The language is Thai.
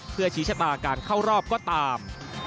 เพื่อชี้ชะตาการเข้ารอบก็ตาม